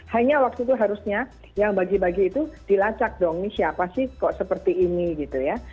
hanya waktu itu harusnya yang bagi bagi itu dilacak dong ini siapa sih kok seperti ini gitu ya